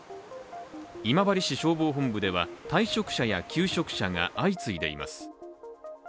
今治市消防本部では退職者や休職者が相次いでいます。